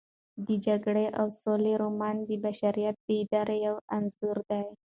د جګړې او سولې رومان د بشریت د ارادې یو انځور دی.